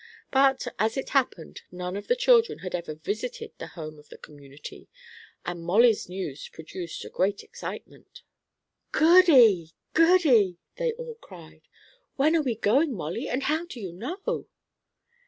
But, as it happened, none of the children had ever visited the home of the community, and Molly's news produced a great excitement. "Goody! goody!" they all cried, "when are we going, Molly, and how did you know?"